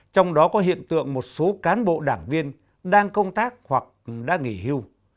trong đó có hiện tượng một số cán bộ đảng viên đang công tác hoặc đã nghỉ hưu